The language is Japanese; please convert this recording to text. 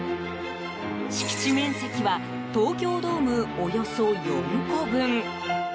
敷地面積は東京ドームおよそ４個分。